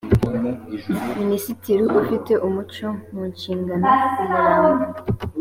minisitiri ufite umuco mu nshingano umurambo